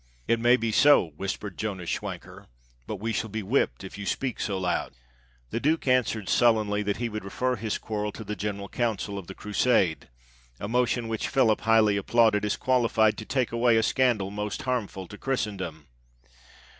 "It may be so," whispered Jonas Schwanker, "but we shall be whipt if you speak so loud." The Duke answered, sullenly, that he would refer his quarrel to the general Council of the Crusade — a mo tion which Philip highly applauded, as qualified to take away a scandal most harmful to Christendom.